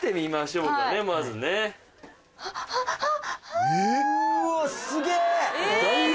うわすげぇ！